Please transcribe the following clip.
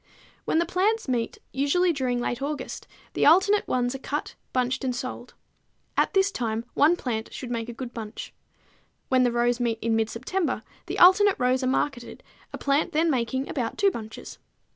When the plants meet, usually during late August, the alternate ones are cut, bunched and sold. At this time one plant should make a good bunch. When the rows meet in mid September, the alternate rows are marketed, a plant then making about two bunches.